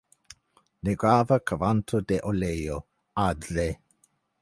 Negrava kvanto da oleo (Adze).